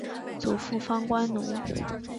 祖父方关奴。